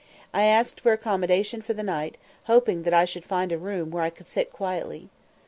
I asked for accommodation for the night, hoping that I should find a room where I could sit quietly.